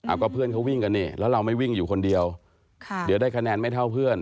เอาก็เพื่อนเขาวิ่งกันนี่แล้วเราไม่วิ่งอยู่คนเดียวค่ะเดี๋ยวได้คะแนนไม่เท่าเพื่อน